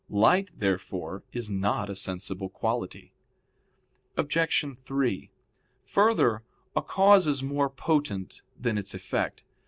Light therefore is not a sensible quality. Obj. 3: Further, a cause is more potent than its effect.